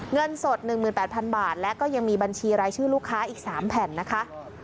เงินสด๑๘๐๐๐บาทและก็ยังมีบัญชีรายชื่อลูกค้าอีก๓แผ่นนะคะ